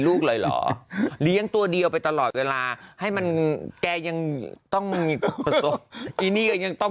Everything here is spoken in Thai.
รูปเลยเหรอตัวเดียวไปตลอดเวลาให้มันแต่ยังต้อง